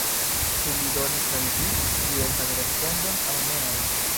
Ĉu li donis al vi jesan respondon aŭ nean?